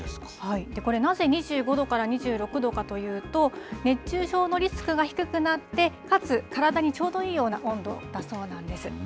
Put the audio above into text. これ、なぜ２５度から２６度かというと、熱中症のリスクが低くなってかつ体にちょうどいいような温度だそうなんです。